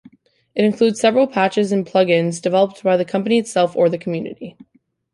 It includes several patches and plugins developed by the company itself or the community.